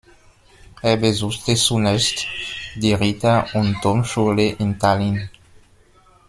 Er besuchte zunächst die Ritter- und Domschule in Tallinn.